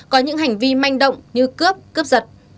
có những hành vi manh động như cướp cướp giật